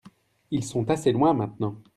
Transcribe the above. Ils sont assez loin maintenant.